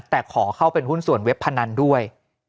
แต่ขอเข้าเป็นหุ้นส่วนเว็บพนันด้วย